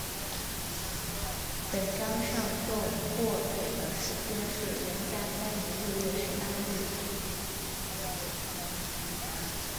本章上奏获准的时间是元嘉三年六月十八日。